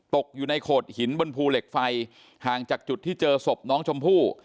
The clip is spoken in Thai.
ตกอยู่ในโขดหินบนภูเหล็กไฟห่างจากจุดที่เจอศพน้องชมพู่